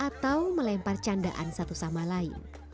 atau melempar candaan satu sama lain